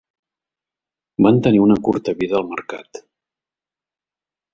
Van tenir una curta vida al mercat.